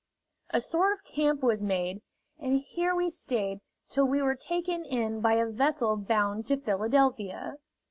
A sort of camp was made, and here we stayed till we were taken in by a vessel bound to Philadelphia.